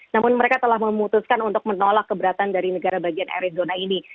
namun mereka telah memutuskan untuk menolak keberatan dari negara bagian arizona ini